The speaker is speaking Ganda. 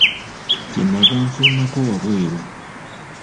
Kye nnava nfulumako wabweru.